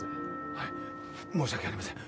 はい申し訳ありません